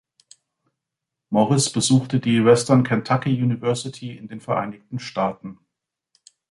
Morris besuchte die Western Kentucky University in den Vereinigten Staaten.